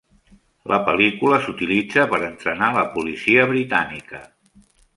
La pel·lícula s"utilitza per entrenar la policia britànica.